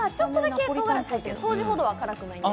当時ほどは辛くないんです。